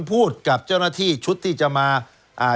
พูดกับเจ้าหน้าที่ชุดที่จะมาอ่า